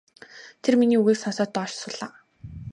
Тэр миний үгийг сонсоод доош суулаа.